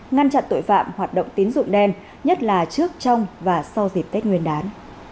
ngăn chặn tội phạm hoạt động tín dụng đen nhất là trước trong và sau dịp tết nguyên đán